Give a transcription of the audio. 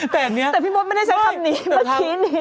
แต่พี่มดไม่ได้ใช้คำนี้เมื่อกี้นี้